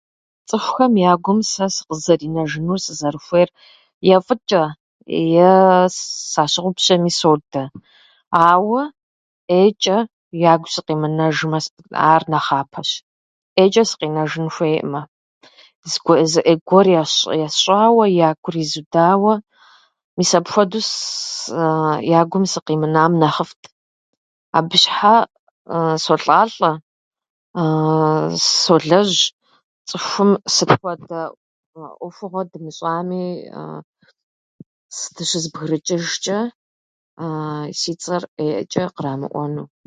Цӏыхухэм я гум сэ сыкъызэринэжыну сызэрыхуейр е фӏычӏэ ее с- сащыгъупщэми содэ. Ауэ ӏейчӏэ ягу сыкъимынэжмэ, с- ар нэхъапэщ. ӏейчӏэ сыкъинэжын хуейӏымэ. Зыгуэ- Зы ӏе гуэр ясщӏ- ясщӏауэ, я гур изудауэ, мис апхуэду я гум сыкъимынам нэхъыфӏт. Абы щхьа солӏалӏэ, солэжь цӏыхум сыт хуэдэ ӏуэхугъуэ дымыщӏами, дыщызыбгырычӏыжчӏэ, си цӏэр ӏейчӏэ кърамыӏуэну.